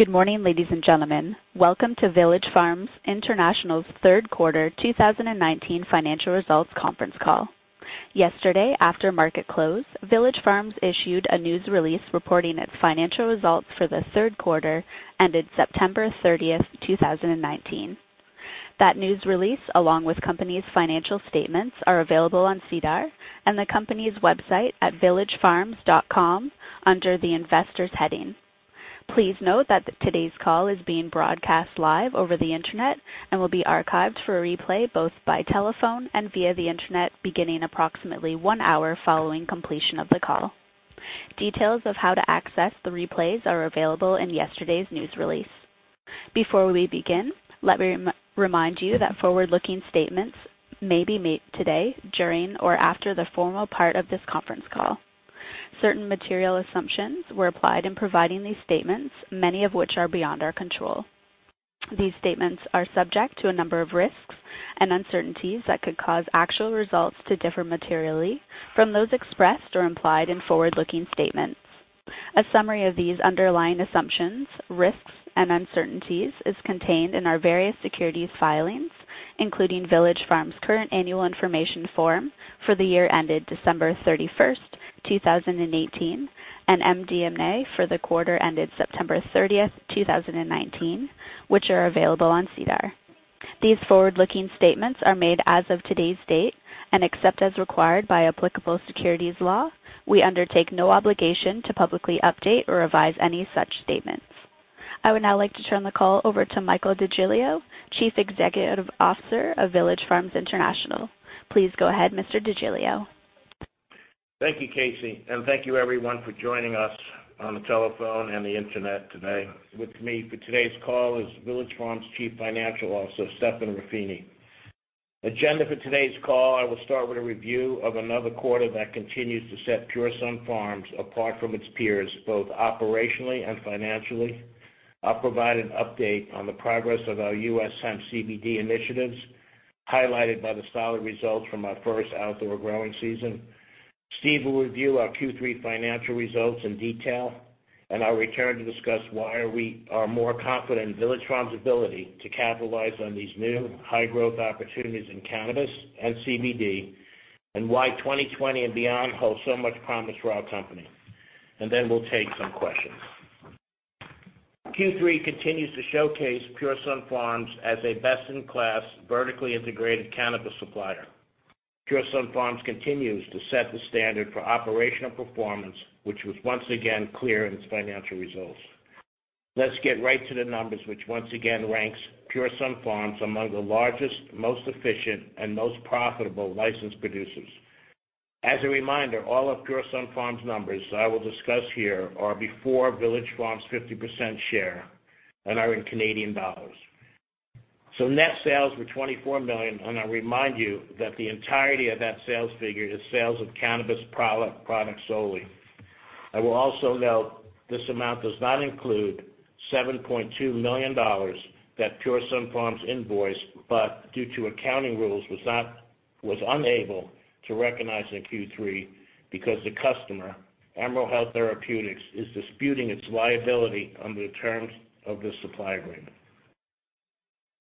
Good morning, ladies and gentlemen. Welcome to Village Farms International's third quarter 2019 financial results conference call. Yesterday, after market close, Village Farms issued a news release reporting its financial results for the third quarter ended September 30th, 2019. That news release, along with company's financial statements, are available on SEDAR and the company's website at villagefarms.com under the Investors heading. Please note that today's call is being broadcast live over the internet and will be archived for a replay, both by telephone and via the internet, beginning approximately one hour following completion of the call. Details of how to access the replays are available in yesterday's news release. Before we begin, let me remind you that forward-looking statements may be made today, during, or after the formal part of this conference call. Certain material assumptions were applied in providing these statements, many of which are beyond our control. These statements are subject to a number of risks and uncertainties that could cause actual results to differ materially from those expressed or implied in forward-looking statements. A summary of these underlying assumptions, risks, and uncertainties is contained in our various securities filings, including Village Farms' current annual information form for the year ended December 31st, 2018, and MD&A for the quarter ended September 30th, 2019, which are available on SEDAR. These forward-looking statements are made as of today's date, and except as required by applicable securities law, we undertake no obligation to publicly update or revise any such statements. I would now like to turn the call over to Michael DeGiglio, Chief Executive Officer of Village Farms International. Please go ahead, Mr. DeGiglio. Thank you, Casey, and thank you everyone for joining us on the telephone and the internet today. With me for today's call is Village Farms Chief Financial Officer, Stephen Ruffini. Agenda for today's call, I will start with a review of another quarter that continues to set Pure Sunfarms apart from its peers, both operationally and financially. I'll provide an update on the progress of our U.S. hemp CBD initiatives, highlighted by the solid results from our first outdoor growing season. Steve will review our Q3 financial results in detail, and I'll return to discuss why we are more confident in Village Farms' ability to capitalize on these new high-growth opportunities in cannabis and CBD, and why 2020 and beyond hold so much promise for our company. We'll take some questions. Q3 continues to showcase Pure Sunfarms as a best-in-class, vertically integrated cannabis supplier. Pure Sunfarms continues to set the standard for operational performance, which was once again clear in its financial results. Let's get right to the numbers, which once again ranks Pure Sunfarms among the largest, most efficient, and most profitable licensed producers. As a reminder, all of Pure Sunfarms' numbers that I will discuss here are before Village Farms' 50% share and are in CAD. Net sales were 24 million, and I remind you that the entirety of that sales figure is sales of cannabis products solely. I will also note this amount does not include 7.2 million dollars that Pure Sunfarms invoiced, but, due to accounting rules, was unable to recognize in Q3 because the customer, Emerald Health Therapeutics, is disputing its liability under the terms of the supply agreement.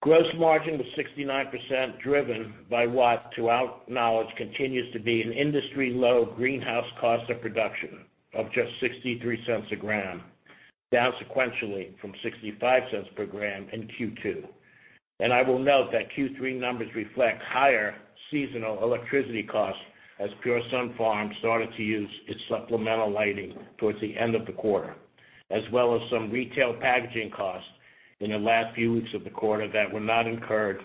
Gross margin was 69%, driven by what, to our knowledge, continues to be an industry-low greenhouse cost of production of just 0.63 a gram, down sequentially from 0.65 per gram in Q2. I will note that Q3 numbers reflect higher seasonal electricity costs as Pure Sunfarms started to use its supplemental lighting towards the end of the quarter, as well as some retail packaging costs in the last few weeks of the quarter that were not incurred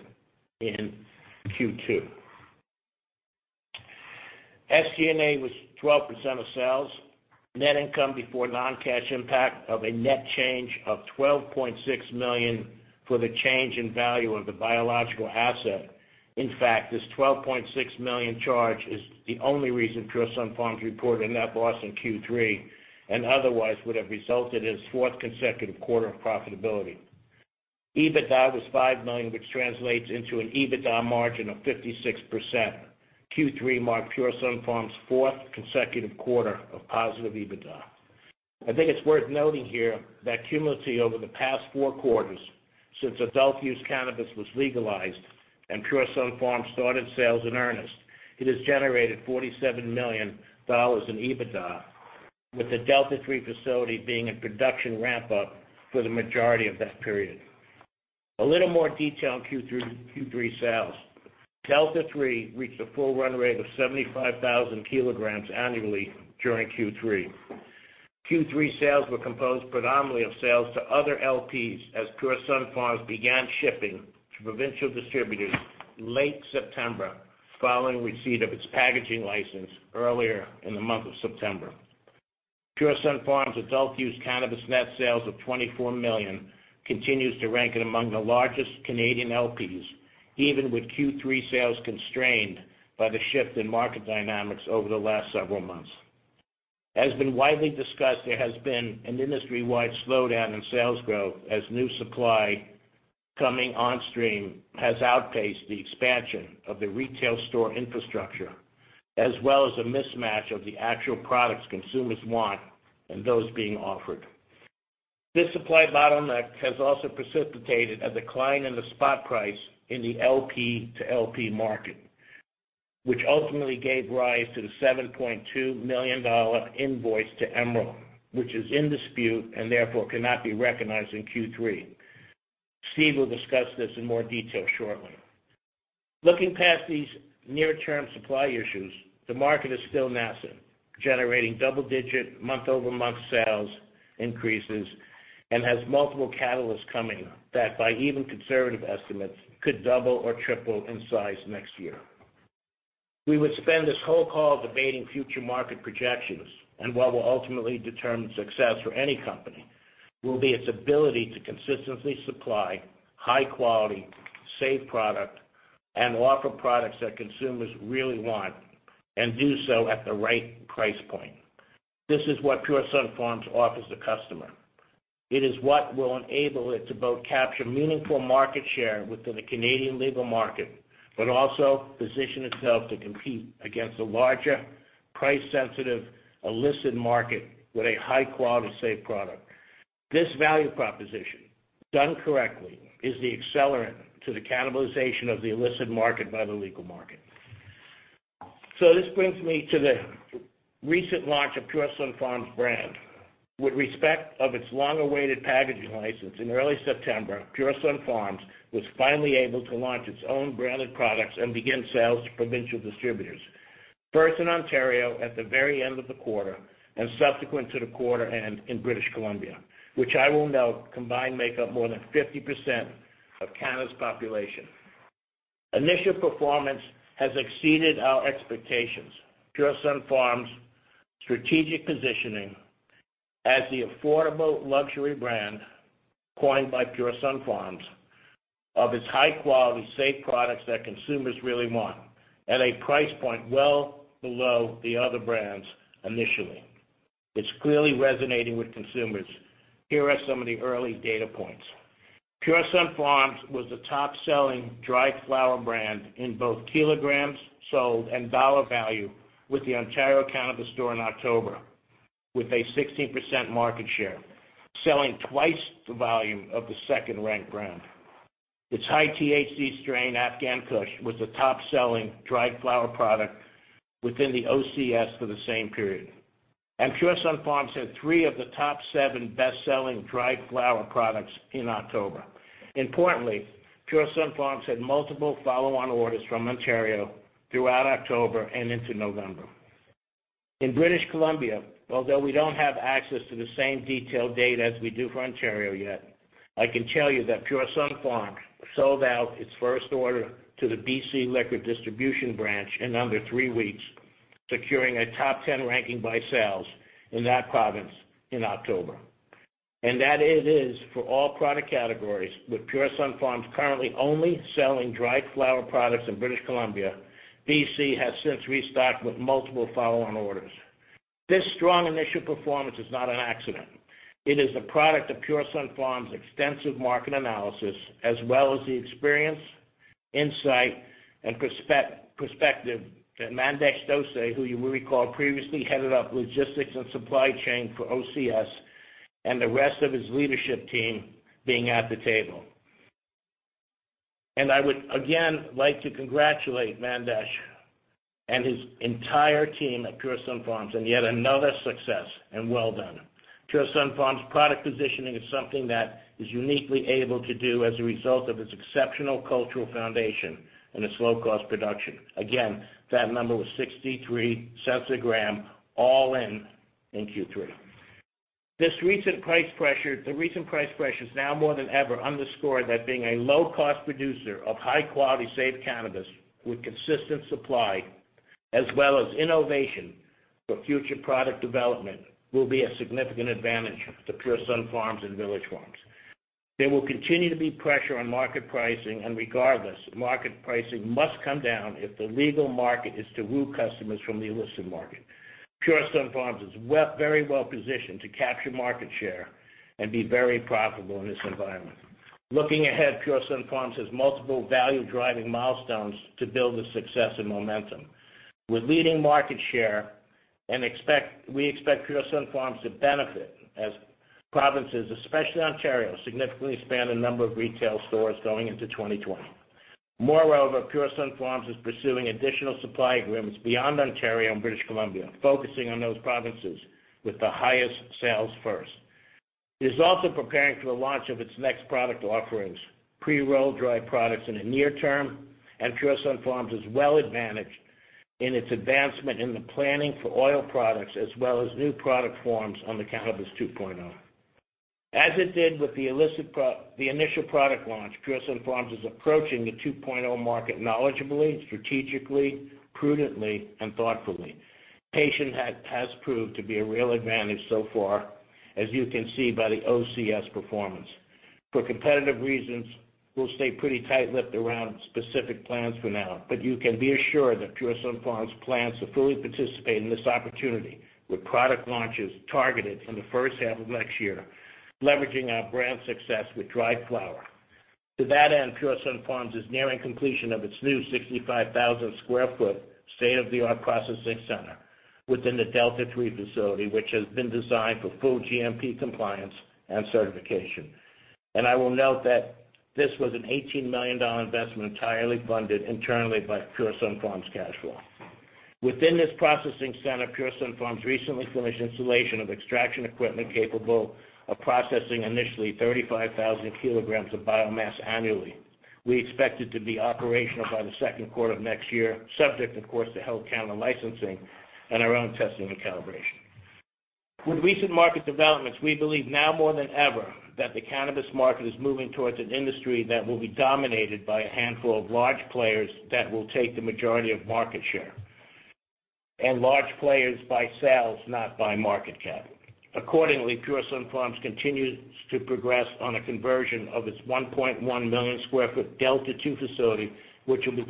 in Q2. SG&A was 12% of sales. Net income before non-cash impact of a net change of 12.6 million for the change in value of the biological asset. In fact, this 12.6 million charge is the only reason Pure Sunfarms reported a net loss in Q3, and otherwise would have resulted in its fourth consecutive quarter of profitability. EBITDA was 5 million, which translates into an EBITDA margin of 56%. Q3 marked Pure Sunfarms' fourth consecutive quarter of positive EBITDA. I think it's worth noting here that cumulatively over the past four quarters, since adult use cannabis was legalized and Pure Sunfarms started sales in earnest, it has generated 47 million dollars in EBITDA, with the Delta 3 facility being in production ramp-up for the majority of that period. A little more detail on Q3 sales. Delta 3 reached a full run rate of 75,000 kg annually during Q3. Q3 sales were composed predominantly of sales to other LPs as Pure Sunfarms began shipping to provincial distributors late September, following receipt of its packaging license earlier in the month of September. Pure Sunfarms' adult use cannabis net sales of 24 million continues to rank it among the largest Canadian LPs, even with Q3 sales constrained by the shift in market dynamics over the last several months. As been widely discussed, there has been an industry-wide slowdown in sales growth as new supply coming on stream has outpaced the expansion of the retail store infrastructure, as well as a mismatch of the actual products consumers want and those being offered. This supply bottleneck has also precipitated a decline in the spot price in the LP-to-LP market, which ultimately gave rise to the 7.2 million dollar invoice to Emerald, which is in dispute and therefore cannot be recognized in Q3. Steve will discuss this in more detail shortly. Looking past these near-term supply issues, the market is still nascent, generating double-digit month-over-month sales increases and has multiple catalysts coming that, by even conservative estimates, could double or triple in size next year. We would spend this whole call debating future market projections. What will ultimately determine success for any company will be its ability to consistently supply high-quality, safe product and offer products that consumers really want and do so at the right price point. This is what Pure Sunfarms offers the customer. It is what will enable it to both capture meaningful market share within the Canadian legal market, but also position itself to compete against a larger, price-sensitive, illicit market with a high-quality, safe product. This value proposition, done correctly, is the accelerant to the cannibalization of the illicit market by the legal market. This brings me to the recent launch of Pure Sunfarms' brand. With respect of its long-awaited packaging license, in early September, Pure Sunfarms was finally able to launch its own branded products and begin sales to provincial distributors, first in Ontario at the very end of the quarter, and subsequent to the quarter end in British Columbia, which I will note, combined make up more than 50% of Canada's population. Initial performance has exceeded our expectations. Pure Sunfarms' strategic positioning as the affordable luxury brand, coined by Pure Sunfarms, of its high-quality, safe products that consumers really want, at a price point well below the other brands initially. It's clearly resonating with consumers. Here are some of the early data points. Pure Sunfarms was the top-selling dried flower brand in both kilograms sold and dollar value with the Ontario Cannabis Store in October, with a 16% market share, selling twice the volume of the second-ranked brand. Its high-THC strain, Afghan Kush, was the top-selling dried flower product within the OCS for the same period. Pure Sunfarms had three of the top seven best-selling dried flower products in October. Importantly, Pure Sunfarms had multiple follow-on orders from Ontario throughout October and into November. In British Columbia, although we don't have access to the same detailed data as we do for Ontario yet, I can tell you that Pure Sunfarms sold out its first order to the BC Liquor Distribution Branch in under three weeks, securing a top 10 ranking by sales in that province in October. That it is for all product categories, with Pure Sunfarms currently only selling dried flower products in British Columbia. BC has since restocked with multiple follow-on orders. This strong initial performance is not an accident. It is the product of Pure Sunfarms' extensive market analysis as well as the experience, insight, and perspective that Mandesh Dosanjh, who you will recall previously headed up logistics and supply chain for OCS, and the rest of his leadership team being at the table. I would again like to congratulate Mandesh and his entire team at Pure Sunfarms on yet another success, and well done. Pure Sunfarms' product positioning is something that is uniquely able to do as a result of its exceptional cultural foundation and its low-cost production. Again, that number was 0.63 a gram all-in in Q3. The recent price pressures now more than ever underscore that being a low-cost producer of high-quality, safe cannabis with consistent supply as well as innovation for future product development will be a significant advantage to Pure Sunfarms and Village Farms. Regardless, market pricing must come down if the legal market is to woo customers from the illicit market. Pure Sunfarms is very well-positioned to capture market share and be very profitable in this environment. Looking ahead, Pure Sunfarms has multiple value-driving milestones to build the success and momentum. With leading market share, we expect Pure Sunfarms to benefit as provinces, especially Ontario, significantly expand the number of retail stores going into 2020. Moreover, Pure Sunfarms is pursuing additional supply agreements beyond Ontario and British Columbia, focusing on those provinces with the highest sales first. It is also preparing for the launch of its next product offerings. Pre-roll dried products in the near term, and Pure Sunfarms is well advantaged in its advancement in the planning for oil products as well as new product forms under Cannabis 2.0. As it did with the initial product launch, Pure Sunfarms is approaching the 2.0 market knowledgeably, strategically, prudently, and thoughtfully. Patience has proved to be a real advantage so far, as you can see by the OCS performance. For competitive reasons, we'll stay pretty tight-lipped around specific plans for now. You can be assured that Pure Sunfarms plans to fully participate in this opportunity with product launches targeted in the first half of next year, leveraging our brand success with dried flower. To that end, Pure Sunfarms is nearing completion of its new 65,000 sq ft state-of-the-art processing center within the Delta 3 facility, which has been designed for full GMP compliance and certification. I will note that this was a 18 million dollar investment entirely funded internally by Pure Sunfarms' cash flow. Within this processing center, Pure Sunfarms recently finished installation of extraction equipment capable of processing initially 35,000 kg of biomass annually. We expect it to be operational by the second quarter of next year, subject, of course, to Health Canada licensing and our own testing and calibration. With recent market developments, we believe now more than ever, that the cannabis market is moving towards an industry that will be dominated by a handful of large players that will take the majority of market share. Large players by sales, not by market cap. Accordingly, Pure Sunfarms continues to progress on a conversion of its 1.1 million square feet Delta 2 facility, which will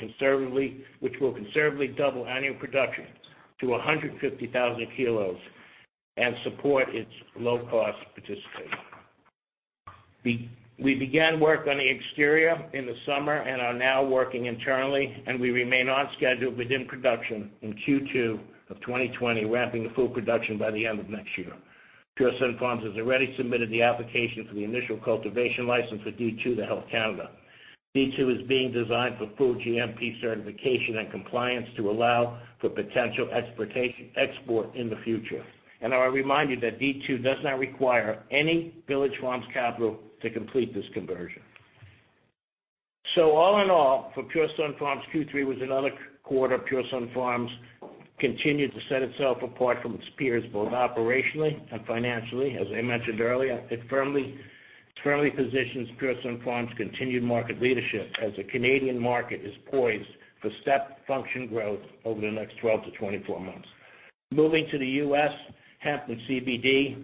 conservatively double annual production to 150,000 kilos and support its low-cost participation. We began work on the exterior in the summer and are now working internally. We remain on schedule within production in Q2 of 2020, ramping to full production by the end of next year. Pure Sunfarms has already submitted the application for the initial cultivation license for D2 to Health Canada. D2 is being designed for full GMP certification and compliance to allow for potential export in the future. I remind you that Delta 2 does not require any Village Farms capital to complete this conversion. All in all, for Pure Sunfarms, Q3 was another quarter Pure Sunfarms continued to set itself apart from its peers, both operationally and financially. As I mentioned earlier, it firmly positions Pure Sunfarms' continued market leadership as the Canadian market is poised for step function growth over the next 12-24 months. Moving to the U.S. hemp and CBD.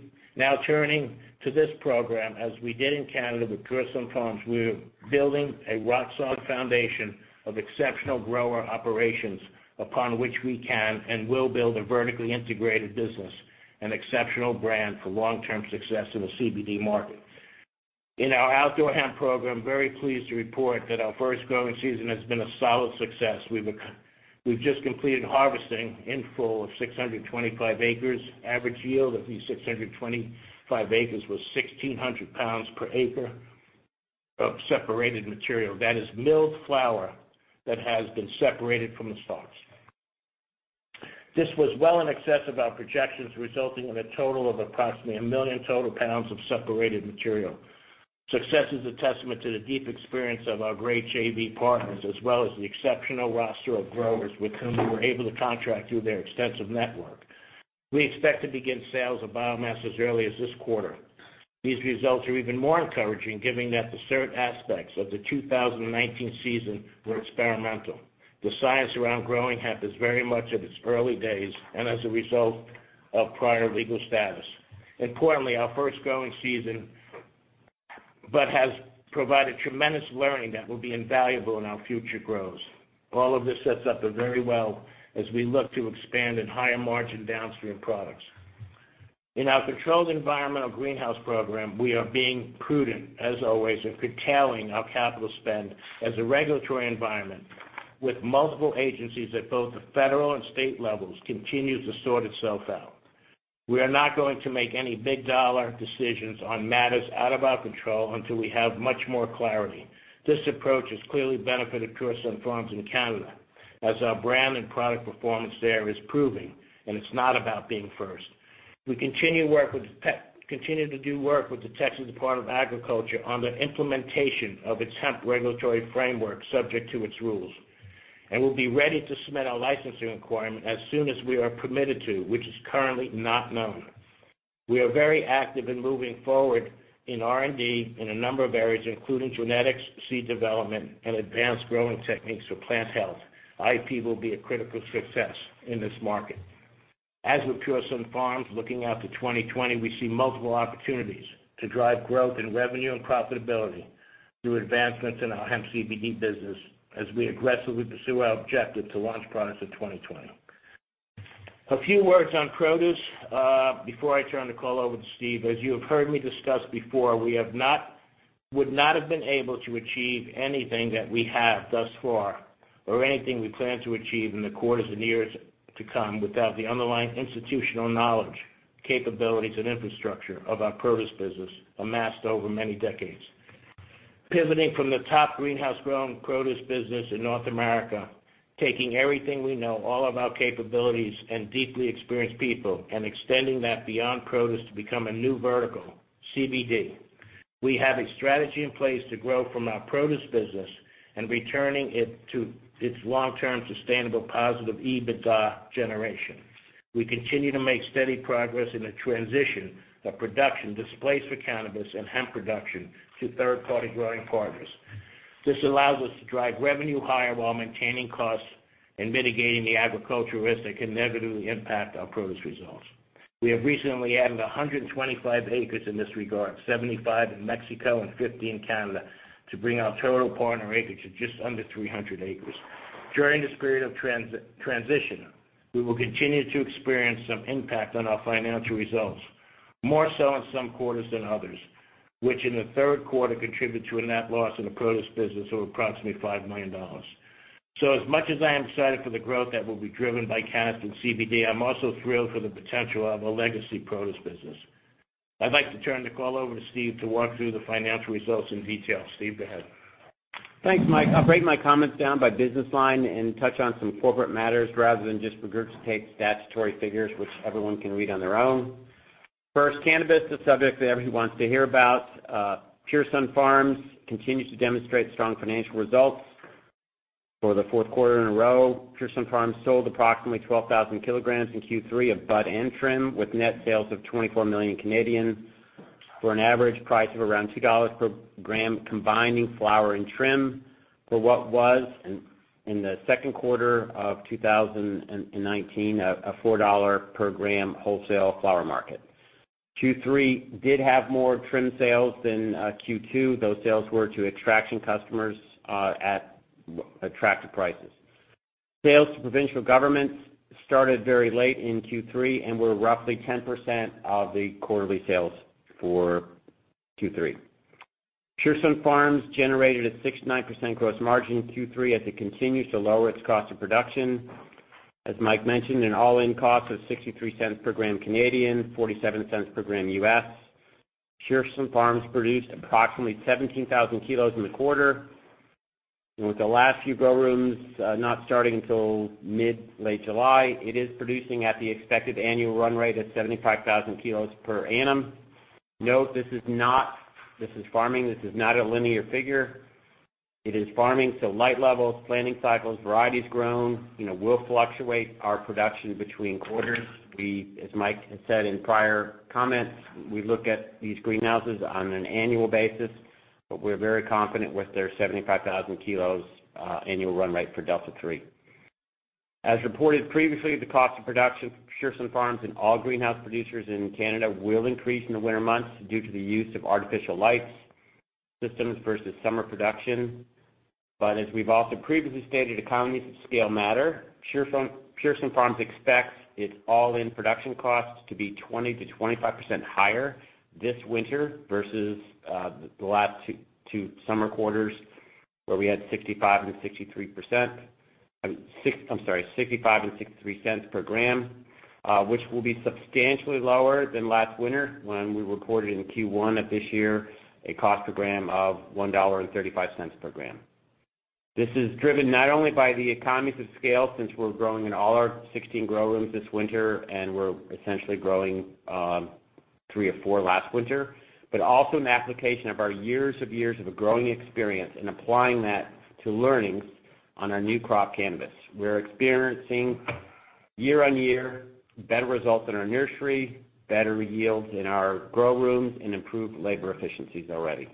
Turning to this program, as we did in Canada with Pure Sunfarms, we're building a rock-solid foundation of exceptional grower operations upon which we can and will build a vertically integrated business and exceptional brand for long-term success in the CBD market. In our outdoor hemp program, very pleased to report that our first growing season has been a solid success. We've just completed harvesting in full of 625 acres. Average yield of these 625 acres was 1,600 pounds per acre of separated material. That is milled flower that has been separated from the stalks. This was well in excess of our projections, resulting in a total of approximately 1 million total pounds of separated material. Success is a testament to the deep experience of our great JV partners, as well as the exceptional roster of growers with whom we were able to contract through their extensive network. We expect to begin sales of biomass as early as this quarter. These results are even more encouraging given that the certain aspects of the 2019 season were experimental. The science around growing hemp is very much at its early days and as a result of prior legal status. Our first growing season has provided tremendous learning that will be invaluable in our future grows. All of this sets up very well as we look to expand in higher margin downstream products. In our controlled environmental greenhouse program, we are being prudent as always in curtailing our capital spend as a regulatory environment with multiple agencies at both the federal and state levels continues to sort itself out. We are not going to make any big dollar decisions on matters out of our control until we have much more clarity. This approach has clearly benefited Pure Sunfarms in Canada as our brand and product performance there is proving. It's not about being first. We continue to do work with the Texas Department of Agriculture on the implementation of its hemp regulatory framework, subject to its rules. We'll be ready to submit our licensing requirement as soon as we are permitted to, which is currently not known. We are very active in moving forward in R&D in a number of areas, including genetics, seed development, and advanced growing techniques for plant health. IP will be a critical success in this market. As with Pure Sunfarms, looking out to 2020, we see multiple opportunities to drive growth in revenue and profitability through advancements in our hemp CBD business as we aggressively pursue our objective to launch products in 2020. A few words on produce, before I turn the call over to Steve. As you have heard me discuss before, we would not have been able to achieve anything that we have thus far or anything we plan to achieve in the quarters and years to come without the underlying institutional knowledge, capabilities, and infrastructure of our produce business amassed over many decades. Pivoting from the top greenhouse-grown produce business in North America, taking everything we know, all of our capabilities and deeply experienced people and extending that beyond produce to become a new vertical, CBD. We have a strategy in place to grow from our produce business and returning it to its long-term sustainable positive EBITDA generation. We continue to make steady progress in the transition of production displaced for cannabis and hemp production to third-party growing partners. This allows us to drive revenue higher while maintaining costs and mitigating the agricultural risk that can negatively impact our produce results. We have recently added 125 acres in this regard, 75 in Mexico and 50 in Canada, to bring our total partner acreage to just under 300 acres. During this period of transition, we will continue to experience some impact on our financial results. More so in some quarters than others, which in the third quarter contribute to a net loss in the produce business of approximately 5 million dollars. As much as I am excited for the growth that will be driven by cannabis and CBD, I am also thrilled for the potential of a legacy produce business. I would like to turn the call over to Steve to walk through the financial results in detail. Steve, go ahead. Thanks, Mike. I'll break my comments down by business line and touch on some corporate matters rather than just regurgitate statutory figures, which everyone can read on their own. First, cannabis, the subject that everyone wants to hear about. Pure Sunfarms continues to demonstrate strong financial results for the fourth quarter in a row. Pure Sunfarms sold approximately 12,000 kg in Q3 of bud and trim, with net sales of 24 million, for an average price of around 2 dollars per gram, combining flower and trim for what was, in the second quarter of 2019, a 4 dollar per gram wholesale flower market. Q3 did have more trim sales than Q2. Those sales were to extraction customers at attractive prices. Sales to provincial governments started very late in Q3 and were roughly 10% of the quarterly sales for Q3. Pure Sunfarms generated a 69% gross margin in Q3 as it continues to lower its cost of production. As Mike mentioned, an all-in cost of 0.63 per gram, $0.47 per gram U.S. Pure Sunfarms produced approximately 17,000 kilos in the quarter. With the last few grow rooms not starting until mid, late July, it is producing at the expected annual run rate of 75,000 kilos per annum. Note, this is farming. This is not a linear figure. It is farming, so light levels, planting cycles, varieties grown will fluctuate our production between quarters. As Mike has said in prior comments, we look at these greenhouses on an annual basis, but we're very confident with their 75,000 kilos annual run rate for Delta 3. As reported previously, the cost of production for Pure Sunfarms and all greenhouse producers in Canada will increase in the winter months due to the use of artificial light systems versus summer production. As we've also previously stated, economies of scale matter. Pure Sunfarms expects its all-in production costs to be 20%-25% higher this winter versus the last two summer quarters, where we had 0.65 and 0.63 per gram, which will be substantially lower than last winter when we reported in Q1 of this year a cost per gram of 1.35 dollar per gram. This is driven not only by the economies of scale, since we're growing in all our 16 grow rooms this winter, and we were essentially growing three or four last winter, but also an application of our years of growing experience and applying that to learnings on our new crop cannabis. We're experiencing year-on-year better results in our nursery, better yields in our grow rooms, and improved labor efficiencies already.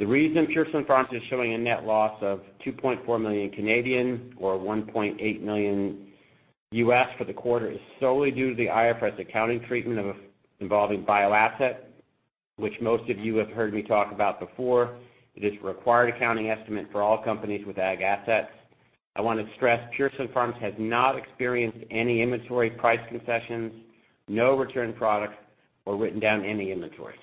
The reason Pure Sunfarms is showing a net loss of 2.4 million or $1.8 million for the quarter is solely due to the IFRS accounting treatment involving biological asset, which most of you have heard me talk about before. It is a required accounting estimate for all companies with ag assets. I want to stress Pure Sunfarms has not experienced any inventory price concessions, no returned products, or written down any inventory.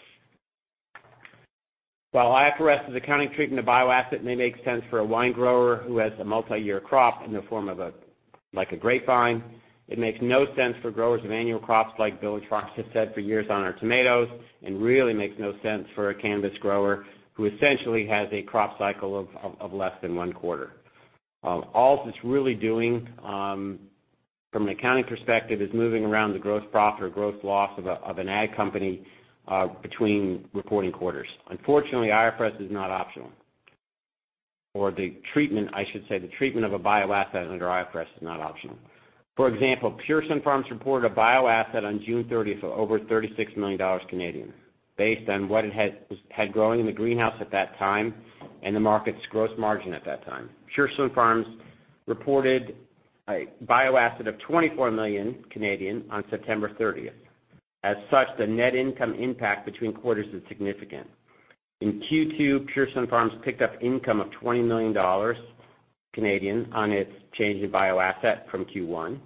While IFRS' accounting treatment of bioasset may make sense for a wine grower who has a multi-year crop in the form of a grapevine, it makes no sense for growers of annual crops like Village Farms has had for years on our tomatoes, and really makes no sense for a cannabis grower who essentially has a crop cycle of less than one quarter. All it's really doing, from an accounting perspective, is moving around the gross profit or gross loss of an ag company between reporting quarters. Unfortunately, IFRS is not optional. The treatment, I should say, the treatment of a bioasset under IFRS is not optional. For example, Pure Sunfarms reported a bioasset on June 30th of over 36 million Canadian dollars based on what it had growing in the greenhouse at that time and the market's gross margin at that time. Pure Sunfarms reported a biological asset of 24 million on September 30th. As such, the net income impact between quarters is significant. In Q2, Pure Sunfarms picked up income of 20 million Canadian dollars on its change in biological asset from Q1.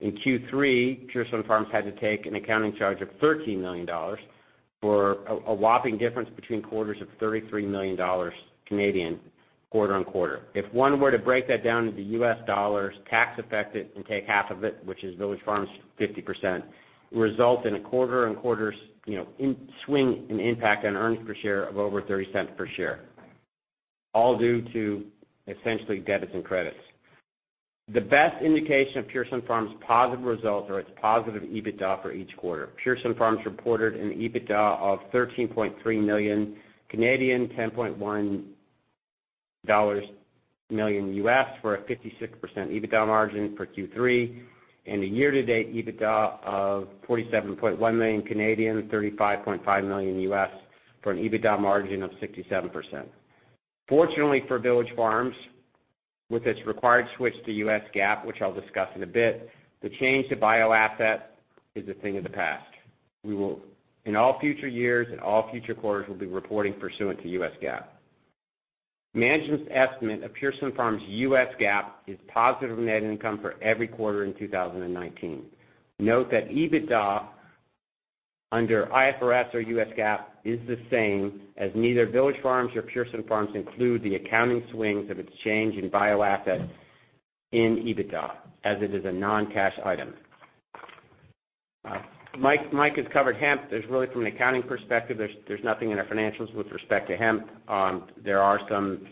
In Q3, Pure Sunfarms had to take an accounting charge of 13 million dollars for a whopping difference between quarters of 33 million Canadian dollars quarter-over-quarter. If one were to break that down into US dollars, tax affect it, and take half of it, which is Village Farms International's 50%, it would result in a quarter-over-quarter swing in impact on earnings per share of over $0.30 per share, all due to essentially debits and credits. The best indication of Pure Sunfarms' positive results are its positive EBITDA for each quarter. Pure Sunfarms reported an EBITDA of 13.3 million, $10.1 million, for a 56% EBITDA margin for Q3, and a year-to-date EBITDA of 47.1 million, $35.5 million, for an EBITDA margin of 67%. Fortunately for Village Farms, with its required switch to US GAAP, which I'll discuss in a bit, the change to bioasset is a thing of the past. In all future years and all future quarters, we'll be reporting pursuant to US GAAP. Management's estimate of Pure Sunfarms' US GAAP is positive net income for every quarter in 2019. Note that EBITDA under IFRS or US GAAP is the same, as neither Village Farms or Pure Sunfarms include the accounting swings of its change in bioasset in EBITDA, as it is a non-cash item. Mike has covered hemp. Really, from an accounting perspective, there's nothing in our financials with respect to hemp. There are some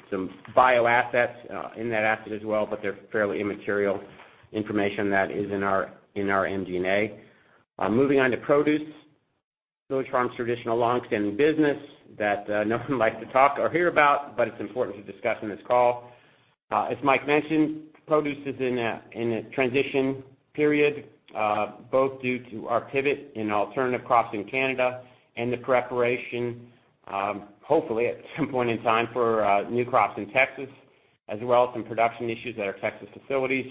bio-assets in that asset as well, but they're fairly immaterial information that is in our MD&A. Moving on to produce. Village Farms' traditional longstanding business that no one likes to talk or hear about, but it's important to discuss on this call. As Mike mentioned, produce is in a transition period, both due to our pivot in alternative crops in Canada and the preparation, hopefully at some point in time, for new crops in Texas, as well as some production issues at our Texas facilities.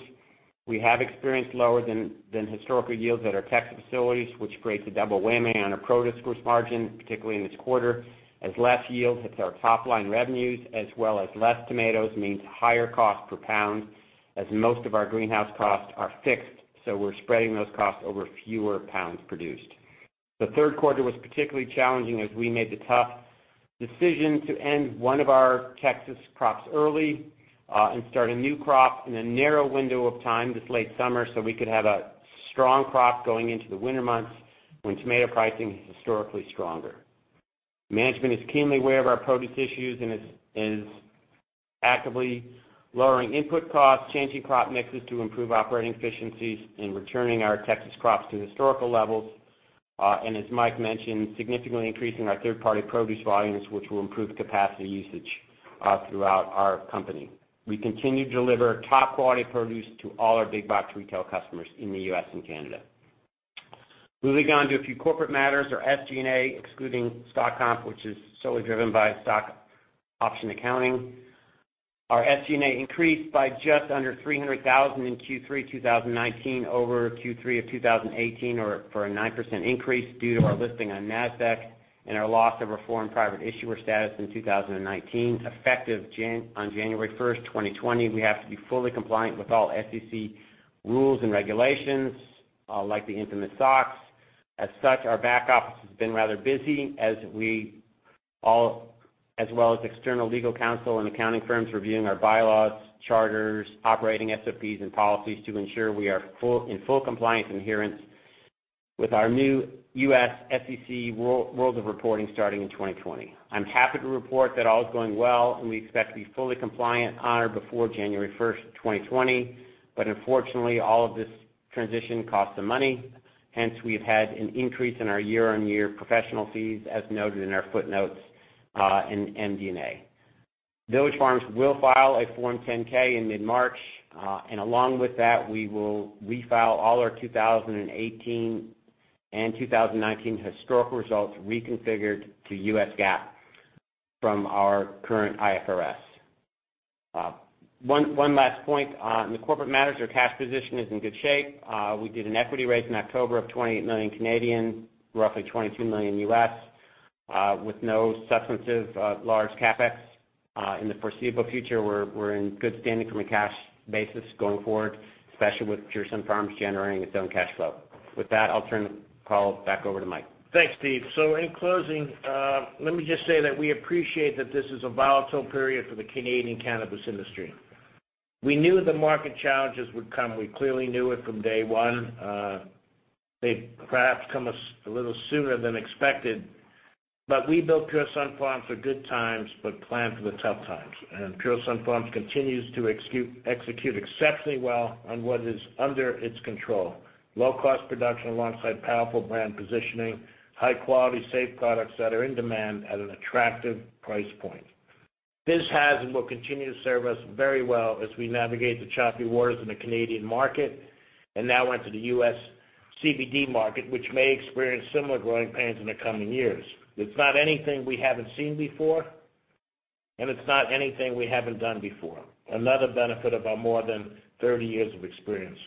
We have experienced lower than historical yields at our Texas facilities, which creates a double whammy on our produce gross margin, particularly in this quarter, as less yield hits our top-line revenues, as well as less tomatoes means higher cost per pound, as most of our greenhouse costs are fixed, so we're spreading those costs over fewer pounds produced. The third quarter was particularly challenging as we made the tough decision to end one of our Texas crops early and start a new crop in a narrow window of time this late summer so we could have a strong crop going into the winter months when tomato pricing is historically stronger. Management is keenly aware of our produce issues and is actively lowering input costs, changing crop mixes to improve operating efficiencies, and returning our Texas crops to historical levels. As Mike mentioned, significantly increasing our third-party produce volumes, which will improve capacity usage throughout our company. We continue to deliver top-quality produce to all our big box retail customers in the U.S. and Canada. Moving on to a few corporate matters. Our SG&A, excluding stock comp, which is solely driven by stock option accounting. Our SG&A increased by just under 300,000 in Q3 2019 over Q3 of 2018, or for a 9% increase due to our listing on Nasdaq and our loss of our foreign private issuer status in 2019. Effective on January 1st, 2020, we have to be fully compliant with all SEC rules and regulations, like the intimate SOX. Our back office has been rather busy, as well as external legal counsel and accounting firms reviewing our bylaws, charters, operating SOPs, and policies to ensure we are in full compliance and adherence with our new U.S. SEC world of reporting starting in 2020. I'm happy to report that all is going well, and we expect to be fully compliant on or before January 1st, 2020. Unfortunately, all of this transition costs some money. We have had an increase in our year-on-year professional fees, as noted in our footnotes in MD&A. Village Farms will file a Form 10-K in mid-March, along with that, we will refile all our 2018 and 2019 historical results reconfigured to US GAAP from our current IFRS. One last point on the corporate matters. Our cash position is in good shape. We did an equity raise in October of 28 million, roughly $22 million. With no substantive large CapEx in the foreseeable future, we're in good standing from a cash basis going forward, especially with Pure Sunfarms generating its own cash flow. I'll turn the call back over to Mike. Thanks, Steve. In closing, let me just say that we appreciate that this is a volatile period for the Canadian cannabis industry. We knew the market challenges would come. We clearly knew it from day one. They've perhaps come a little sooner than expected, but we built Pure Sunfarms for good times, but planned for the tough times. Pure Sunfarms continues to execute exceptionally well on what is under its control. Low cost production alongside powerful brand positioning, high quality, safe products that are in demand at an attractive price point. This has and will continue to serve us very well as we navigate the choppy waters in the Canadian market and now enter the U.S. CBD market, which may experience similar growing pains in the coming years. It's not anything we haven't seen before, and it's not anything we haven't done before. Another benefit of our more than 30 years of experience.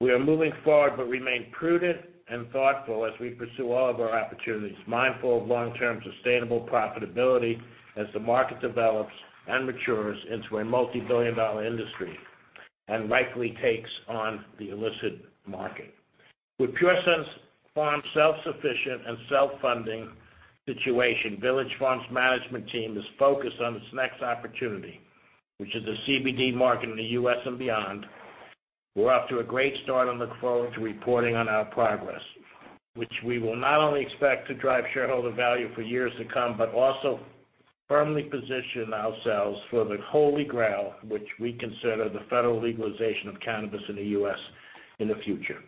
We are moving forward but remain prudent and thoughtful as we pursue all of our opportunities, mindful of long-term sustainable profitability as the market develops and matures into a multi-billion-dollar industry and likely takes on the illicit market. With Pure Sunfarms' self-sufficient and self-funding situation, Village Farms' management team is focused on its next opportunity, which is the CBD market in the U.S. and beyond. We're off to a great start and look forward to reporting on our progress, which we will not only expect to drive shareholder value for years to come, but also firmly position ourselves for the Holy Grail, which we consider the federal legalization of cannabis in the U.S. in the future.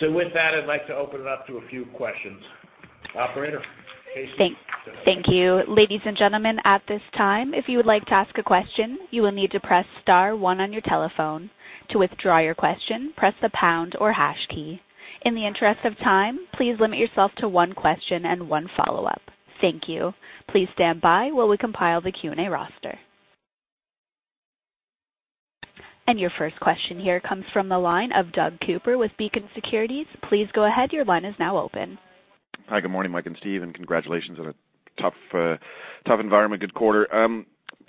With that, I'd like to open it up to a few questions. Operator, please. Thank you. Ladies and gentlemen, at this time, if you would like to ask a question, you will need to press star one on your telephone. To withdraw your question, press the pound or hash key. In the interest of time, please limit yourself to one question and one follow-up. Thank you. Please stand by while we compile the Q&A roster. Your first question here comes from the line of Doug Cooper with Beacon Securities. Please go ahead. Your line is now open. Hi, good morning, Mike and Steve, and congratulations on a tough environment, good quarter.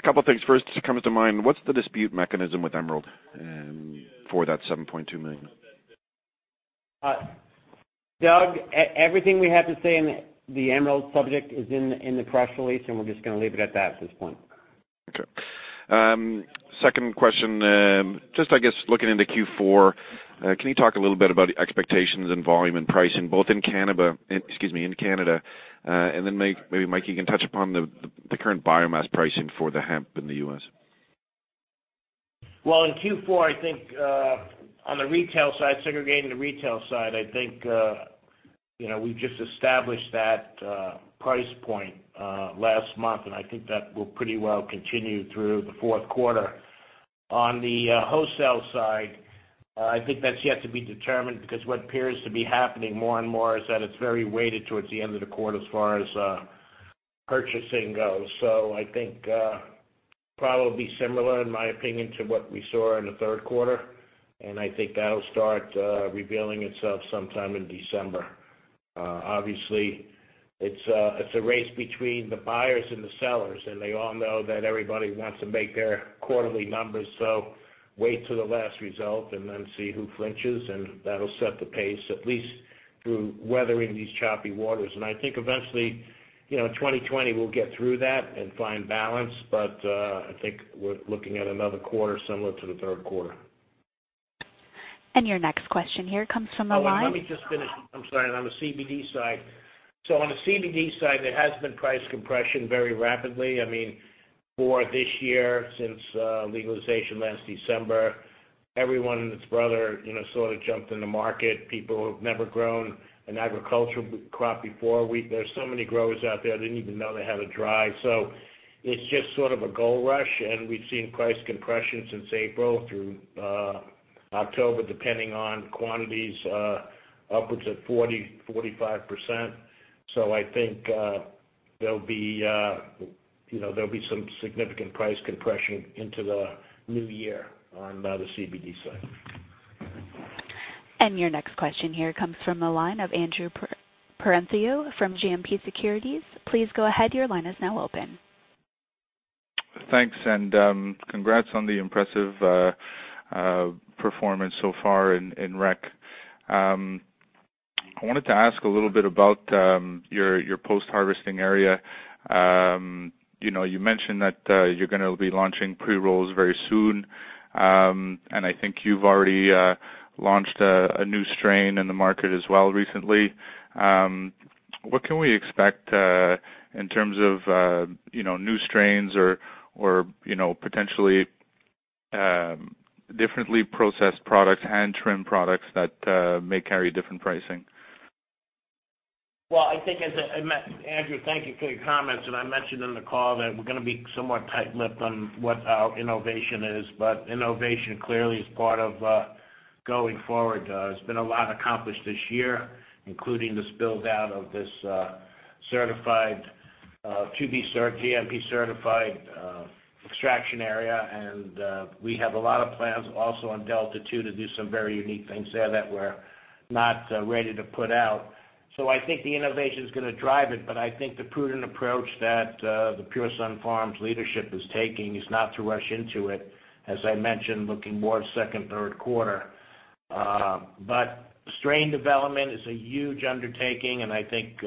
Couple of things first comes to mind. What's the dispute mechanism with Emerald for that 7.2 million? Doug, everything we have to say in the Emerald subject is in the press release, and we're just going to leave it at that at this point. Okay. Second question, just I guess looking into Q4, can you talk a little bit about expectations and volume and pricing, both in Canada, and then maybe, Mike, you can touch upon the current biomass pricing for the hemp in the U.S. Well, in Q4, I think, on the retail side, segregating the retail side, I think, we've just established that price point last month, and I think that will pretty well continue through the fourth quarter. On the wholesale side, I think that's yet to be determined because what appears to be happening more and more is that it's very weighted towards the end of the quarter as far as purchasing goes. I think, probably similar, in my opinion, to what we saw in the third quarter. I think that'll start revealing itself sometime in December. Obviously, it's a race between the buyers and the sellers, and they all know that everybody wants to make their quarterly numbers. Wait till the last result and then see who flinches, and that'll set the pace, at least through weathering these choppy waters. I think eventually, 2020 will get through that and find balance. I think we're looking at another quarter similar to the third quarter. Your next question here comes from the line. Oh, wait, let me just finish. I'm sorry. On the CBD side. On the CBD side, there has been price compression very rapidly. For this year, since legalization last December, everyone and his brother sort of jumped in the market. People who have never grown an agricultural crop before. There's so many growers out there I didn't even know they had a drive. It's just sort of a gold rush, and we've seen price compression since April through October, depending on quantities, upwards of 40%-45%. I think there'll be some significant price compression into the new year on the CBD side. Your next question here comes from the line of Andrew Partheniou from GMP Securities. Please go ahead. Your line is now open. Thanks, and congrats on the impressive performance so far in rec. I wanted to ask a little bit about your post-harvesting area. You mentioned that you're going to be launching pre-rolls very soon. I think you've already launched a new strain in the market as well recently. What can we expect, in terms of new strains or potentially differently processed products, hand-trimmed products that may carry different pricing? Andrew, thank you for your comments, and I mentioned in the call that we're going to be somewhat tight-lipped on what our innovation is, but innovation clearly is part of going forward. There's been a lot accomplished this year, including this build-out of this GMP-certified extraction area, and we have a lot of plans also on Delta 2 to do some very unique things there that we're not ready to put out. I think the innovation is going to drive it, but I think the prudent approach that the Pure Sunfarms leadership is taking is not to rush into it, as I mentioned, looking more second, third quarter. Strain development is a huge undertaking and I think,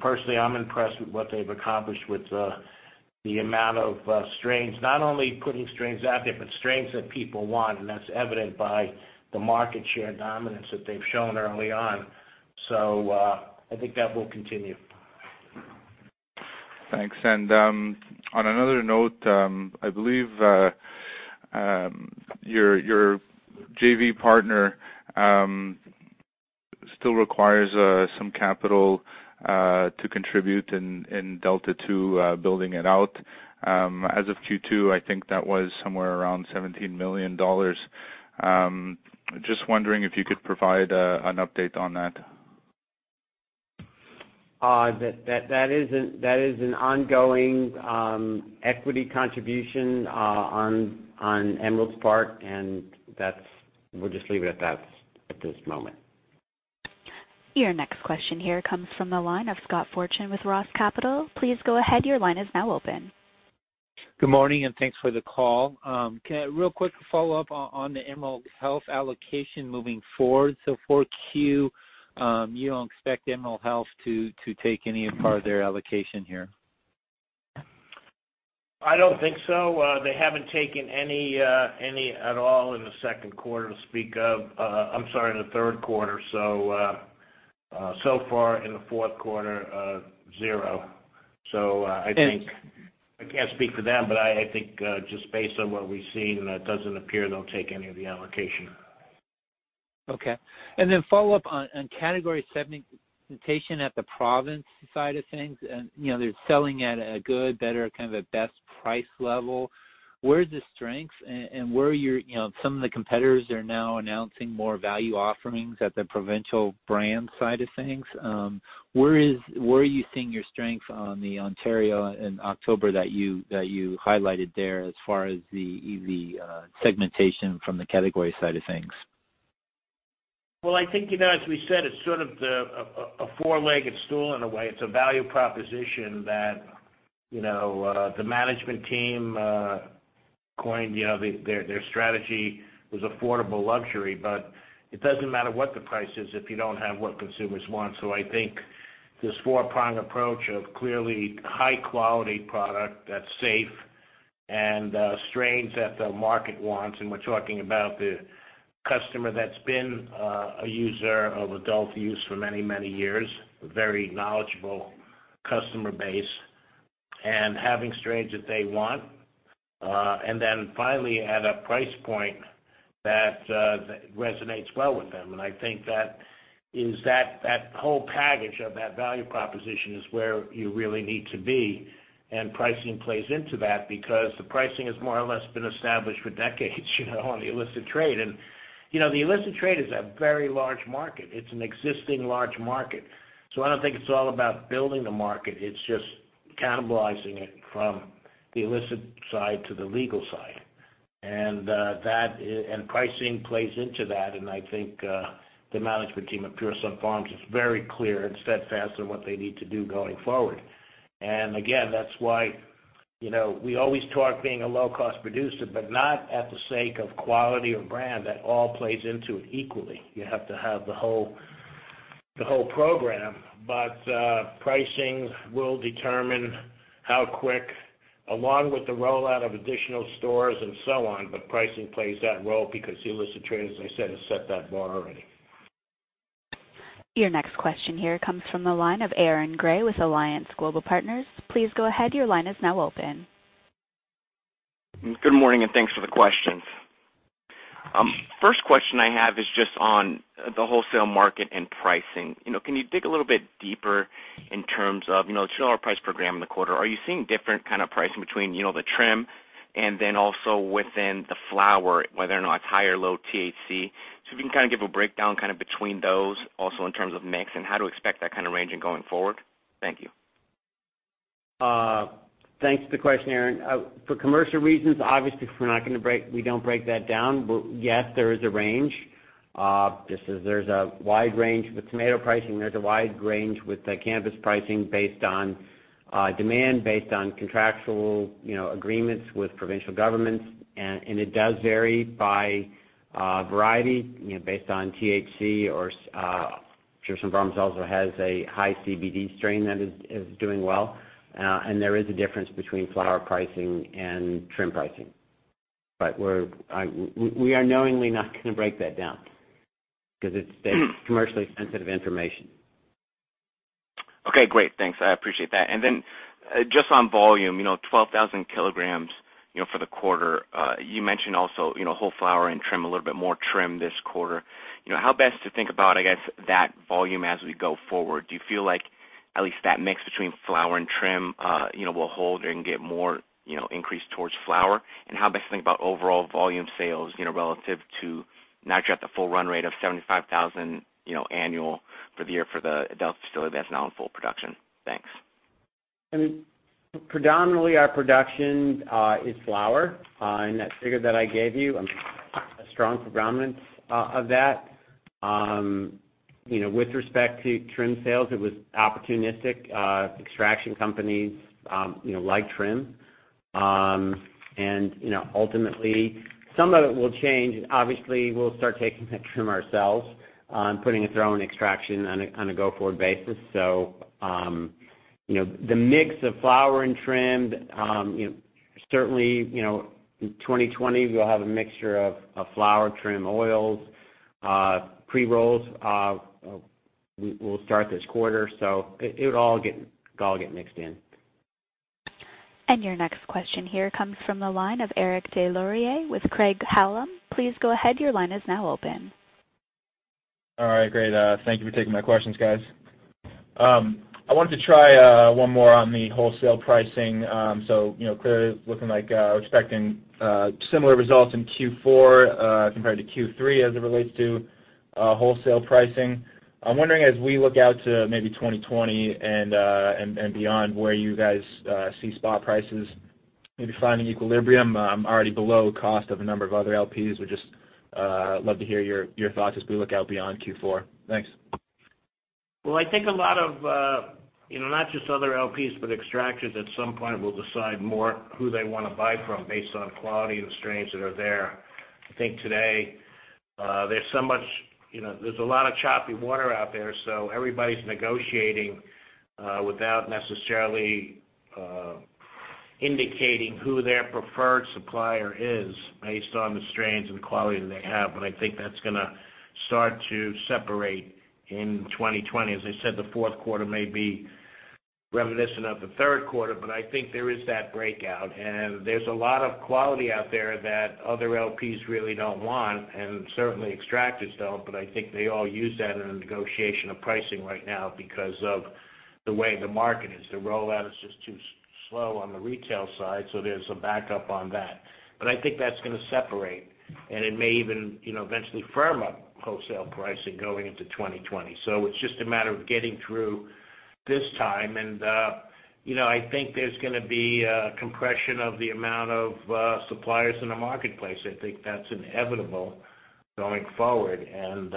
personally, I'm impressed with what they've accomplished with the amount of strains, not only putting strains out there, but strains that people want, and that's evident by the market share dominance that they've shown early on. I think that will continue. Thanks. On another note, I believe your JV partner still requires some capital to contribute in Delta 2, building it out. As of Q2, I think that was somewhere around 17 million dollars. Just wondering if you could provide an update on that. That is an ongoing equity contribution on Emerald's part, and we'll just leave it at that at this moment. Your next question here comes from the line of Scott Fortune with Roth Capital. Please go ahead. Your line is now open. Good morning, and thanks for the call. Real quick follow-up on the Emerald Health allocation moving forward. 4Q, you don't expect Emerald Health to take any part of their allocation here? I don't think so. They haven't taken any at all in the second quarter to speak of. I'm sorry, in the third quarter. Far in the fourth quarter, zero. I think I can't speak for them, but I think, just based on what we've seen, it doesn't appear they'll take any of the allocation. Okay. Follow up on category segmentation at the province side of things. They're selling at a good, better, kind of a best price level. Where are the strengths and some of the competitors are now announcing more value offerings at the provincial brand side of things? Where are you seeing your strength on the Ontario in October that you highlighted there as far as the segmentation from the category side of things? I think, as we said, it's sort of a four-legged stool in a way. It's a value proposition that the management team coined. Their strategy was affordable luxury, but it doesn't matter what the price is if you don't have what consumers want. I think this four-prong approach of clearly high-quality product that's safe and strains that the market wants, and we're talking about the customer that's been a user of adult use for many years, a very knowledgeable customer base, and having strains that they want. Then finally, at a price point that resonates well with them. I think that whole package of that value proposition is where you really need to be. Pricing plays into that because the pricing has more or less been established for decades on the illicit trade. The illicit trade is a very large market. It's an existing large market. I don't think it's all about building the market, it's just cannibalizing it from the illicit side to the legal side. Pricing plays into that, and I think, the management team at Pure Sunfarms is very clear and steadfast on what they need to do going forward. Again, that's why we always talk being a low-cost producer, but not at the sake of quality or brand. That all plays into it equally. You have to have the whole program. Pricing will determine how quick, along with the rollout of additional stores and so on. Pricing plays that role because the illicit trade, as I said, has set that bar already. Your next question here comes from the line of Aaron Grey with Alliance Global Partners. Please go ahead, your line is now open. Good morning, thanks for the questions. First question I have is just on the wholesale market and pricing. Can you dig a little bit deeper in terms of CAD 2 price per gram in the quarter? Are you seeing different kind of pricing between the trim and then also within the flower, whether or not it's high or low THC? If you can kind of give a breakdown between those also in terms of mix and how to expect that kind of ranging going forward. Thank you. Thanks for the question, Aaron. For commercial reasons, obviously, we don't break that down. Yes, there is a range. Just as there's a wide range with tomato pricing, there's a wide range with the cannabis pricing based on demand, based on contractual agreements with provincial governments. It does vary by variety based on THC. Pure Sunfarms also has a high CBD strain that is doing well. There is a difference between flower pricing and trim pricing. We are knowingly not going to break that down because it's commercially sensitive information. Okay, great. Thanks. I appreciate that. Then just on volume, 12,000 kg for the quarter. You mentioned also, whole flower and trim, a little bit more trim this quarter. How best to think about, I guess, that volume as we go forward? Do you feel like at least that mix between flower and trim will hold and get more increase towards flower? How best to think about overall volume sales relative to not yet the full run rate of 75,000 annual for the year for the adult facility that's now in full production? Thanks. Predominantly, our production is flower. In that figure that I gave you, a strong predominance of that. With respect to trim sales, it was opportunistic. Extraction companies like trim. Ultimately, some of it will change. Obviously, we'll start taking the trim ourselves, putting it through our own extraction on a go-forward basis. The mix of flower and trim, certainly, 2020, we'll have a mixture of flower, trim, oils. Pre-rolls, we'll start this quarter. It would all get mixed in. Your next question here comes from the line of Eric Des Lauriers with Craig-Hallum. Please go ahead, your line is now open. All right, great. Thank you for taking my questions, guys. I wanted to try one more on the wholesale pricing. Clearly looking like we're expecting similar results in Q4 compared to Q3 as it relates to wholesale pricing. I'm wondering as we look out to maybe 2020 and beyond, where you guys see spot prices maybe finding equilibrium, already below cost of a number of other LPs. Would just love to hear your thoughts as we look out beyond Q4. Thanks. Well, I think a lot of, not just other LPs, but extractors at some point will decide more who they want to buy from based on quality and the strains that are there. I think today, there's a lot of choppy water out there, so everybody's negotiating without necessarily indicating who their preferred supplier is based on the strains and quality that they have. I think that's going to start to separate in 2020. As I said, the fourth quarter may be reminiscent of the third quarter, but I think there is that breakout. There's a lot of quality out there that other LPs really don't want, and certainly extractors don't, but I think they all use that in the negotiation of pricing right now because of the way the market is. The rollout is just too slow on the retail side, so there's a backup on that. I think that's going to separate, and it may even eventually firm up wholesale pricing going into 2020. It's just a matter of getting through this time, and I think there's going to be a compression of the amount of suppliers in the marketplace. I think that's inevitable going forward, and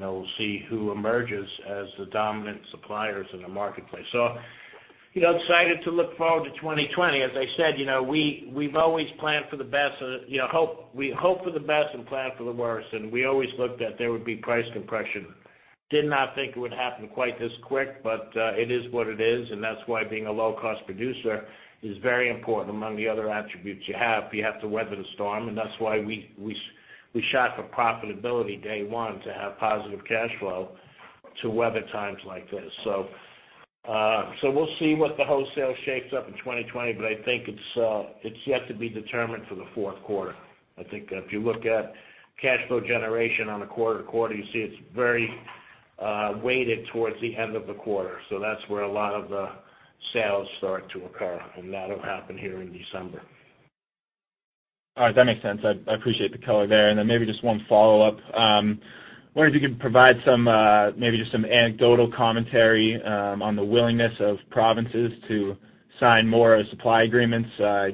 we'll see who emerges as the dominant suppliers in the marketplace. Excited to look forward to 2020. As I said, we hope for the best and plan for the worst, and we always looked at there would be price compression. Did not think it would happen quite this quick, but it is what it is, and that's why being a low-cost producer is very important. Among the other attributes you have, you have to weather the storm, and that's why we shot for profitability day one to have positive cash flow to weather times like this. We'll see what the wholesale shapes up in 2020, but I think it's yet to be determined for the fourth quarter. If you look at cash flow generation on a quarter to quarter, you see it's very weighted towards the end of the quarter. That's where a lot of the sales start to occur, and that'll happen here in December. All right. That makes sense. I appreciate the color there, then maybe just one follow-up. I am wondering if you could provide maybe just some anecdotal commentary on the willingness of provinces to sign more supply agreements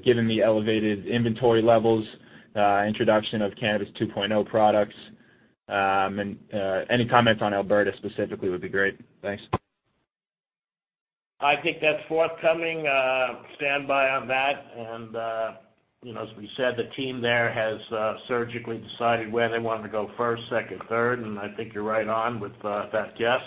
given the elevated inventory levels, introduction of Cannabis 2.0 products, and any comments on Alberta specifically would be great. Thanks. I think that's forthcoming. Stand by on that. As we said, the team there has surgically decided where they wanted to go first, second, third, and I think you're right on with that guess.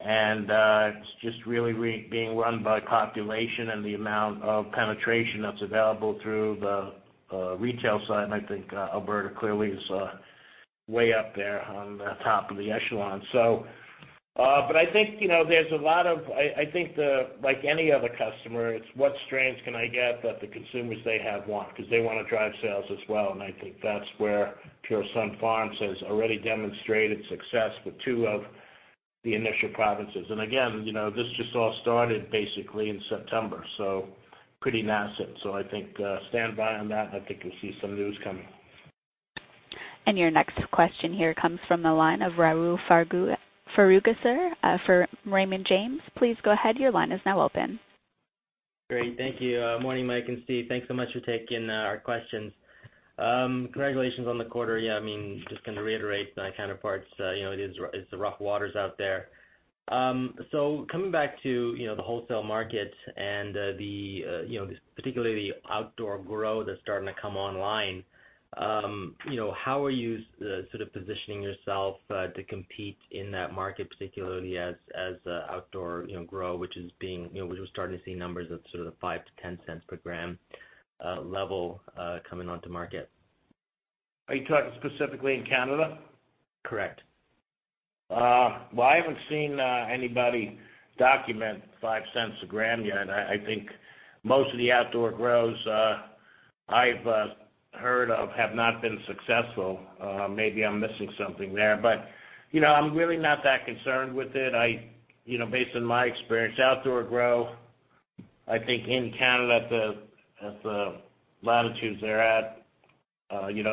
It's just really being run by population and the amount of penetration that's available through the retail side. I think Alberta clearly is way up there on the top of the echelon. I think like any other customer, it's what strains can I get that the consumers they have want, because they want to drive sales as well, and I think that's where Pure Sunfarms has already demonstrated success with two of the initial provinces. Again, this just all started basically in September, so pretty nascent. I think, stand by on that. I think you'll see some news coming. Your next question here comes from the line of Rahul Sarugaser. For Raymond James. Please go ahead, your line is now open. Great. Thank you. Morning, Mike and Steve. Thanks so much for taking our questions. Congratulations on the quarter. Just going to reiterate my counterparts, it's the rough waters out there. Coming back to the wholesale market and particularly the outdoor grow that's starting to come online, how are you sort of positioning yourself to compete in that market, particularly as outdoor grow, which we're starting to see numbers of sort of the 0.05-0.10 per gram level coming onto market? Are you talking specifically in Canada? Correct. Well, I haven't seen anybody document 0.05 a gram yet. I think most of the outdoor grows I've heard of have not been successful. Maybe I'm missing something there, I'm really not that concerned with it. Based on my experience, outdoor grow, I think in Canada at the latitudes they're at,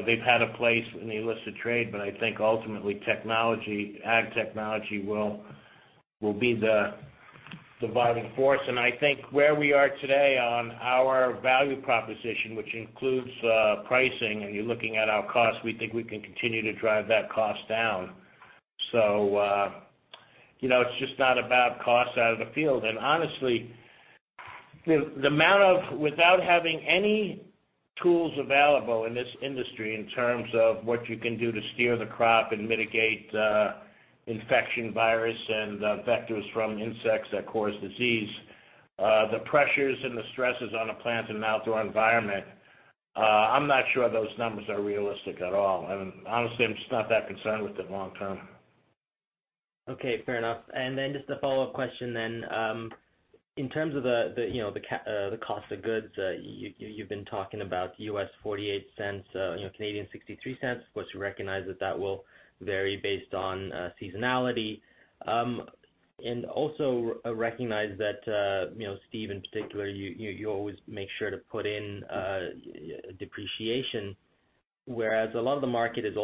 they've had a place in the illicit trade, I think ultimately ag technology will be the driving force. I think where we are today on our value proposition, which includes pricing and you're looking at our costs, we think we can continue to drive that cost down. It's just not about costs out of the field. Honestly, without having any tools available in this industry in terms of what you can do to steer the crop and mitigate infection virus and vectors from insects that cause disease, the pressures and the stresses on a plant in an outdoor environment, I'm not sure those numbers are realistic at all. Honestly, I'm just not that concerned with it long term. Okay, fair enough. Then just a follow-up question then. In terms of the cost of goods, you've been talking about U.S. $0.48, 0.63. Of course, you recognize that that will vary based on seasonality. Also I recognize that, Steve in particular, you always make sure to put in depreciation, whereas a lot of the market is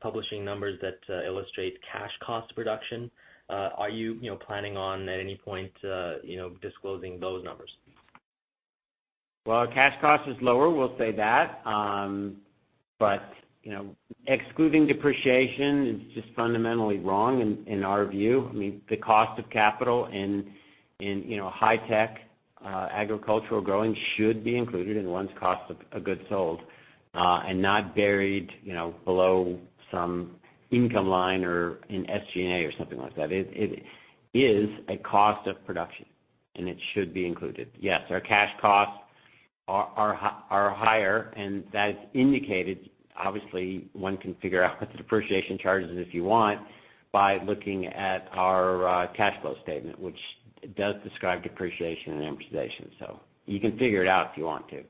publishing numbers that illustrate cash cost reduction. Are you planning on at any point disclosing those numbers? Our cash cost is lower, we'll say that. Excluding depreciation is just fundamentally wrong in our view. The cost of capital in high tech agricultural growing should be included in one's cost of goods sold and not buried below some income line or in SG&A or something like that. It is a cost of production and it should be included. Yes, our cash costs are higher and that is indicated. Obviously, one can figure out what the depreciation charge is if you want by looking at our cash flow statement, which does describe depreciation and amortization. You can figure it out if you want to,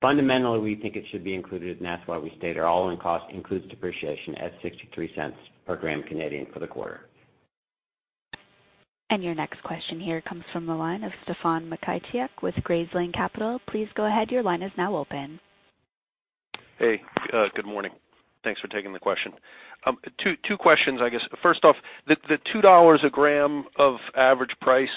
fundamentally, we think it should be included and that's why we state our all-in cost includes depreciation at 0.63 per gram for the quarter. Your next question here comes from the line of Stefan Makai Thek with Graceland Capital. Please go ahead, your line is now open. Hey, good morning. Thanks for taking the question. Two questions, I guess. First off, the 2 dollars a gram of average price,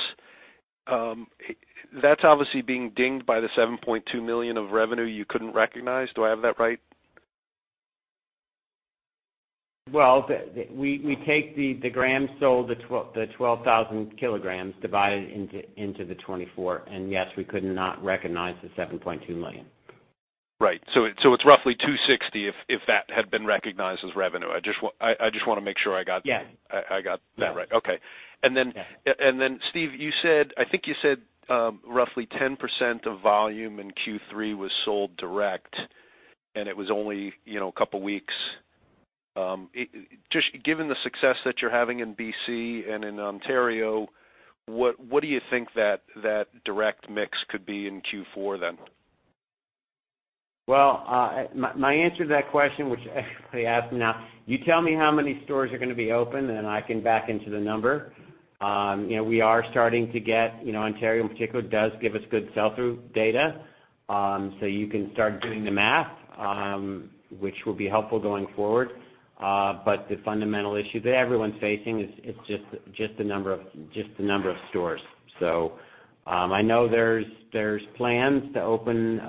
that's obviously being dinged by the 7.2 million of revenue you couldn't recognize. Do I have that right? Well, we take the grams sold, the 12,000 kilograms, divide it into the 24, and yes, we could not recognize the 7.2 million. Right. It's roughly 2.60 if that had been recognized as revenue. I just want to make sure I got. Yeah I got that right. Yeah. Steve, I think you said roughly 10% of volume in Q3 was sold direct, and it was only a couple of weeks. Just given the success that you're having in BC and in Ontario, what do you think that direct mix could be in Q4, then? Well, my answer to that question, which everybody asks me now, you tell me how many stores are going to be open, and then I can back into the number. We are starting to get, Ontario in particular does give us good sell-through data. You can start doing the math, which will be helpful going forward. The fundamental issue that everyone's facing is just the number of stores. I know there's plans to open,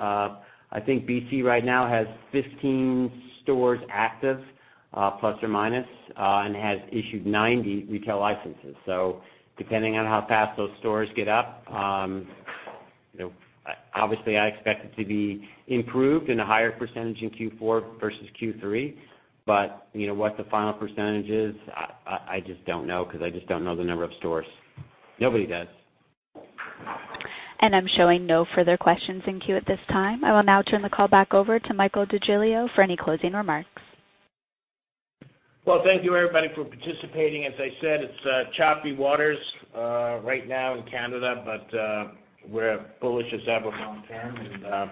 I think BC right now has 15 stores active, plus or minus, and has issued 90 retail licenses. Depending on how fast those stores get up, obviously I expect it to be improved in a higher percentage in Q4 versus Q3. What the final percentage is, I just don't know because I just don't know the number of stores. Nobody does. I'm showing no further questions in queue at this time. I will now turn the call back over to Michael DeGiglio for any closing remarks. Well, thank you everybody for participating. As I said, it's choppy waters right now in Canada, but we're bullish as ever long term,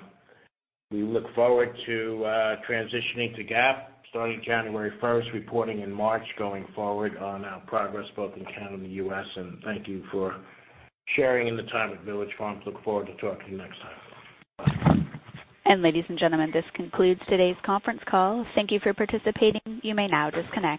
we look forward to transitioning to GAAP starting January 1st, reporting in March, going forward on our progress both in Canada and the U.S. Thank you for sharing in the time at Village Farms. Look forward to talking to you next time. Bye. Ladies and gentlemen, this concludes today's conference call. Thank you for participating. You may now disconnect.